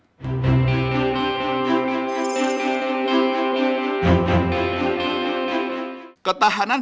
kedepan akselerasi pemulihan ekonomi domestik diharapkan